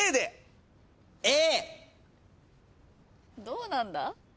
どうなんだ？